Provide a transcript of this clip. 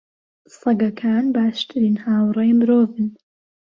سەگەکان باشترین هاوڕێی مرۆڤن.